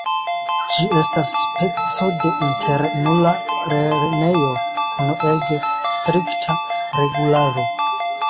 Ĝi estas speco de internula lernejo kun ege strikta regularo.